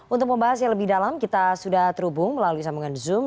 untuk membahas yang lebih dalam kita sudah terhubung melalui sambungan zoom